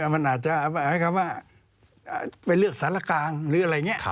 มันอาจจะหมายความว่าไปเลือกสารกลางหรืออะไรอย่างนี้